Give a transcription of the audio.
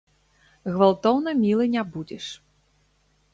Гвалтоўна мілы не будзеш.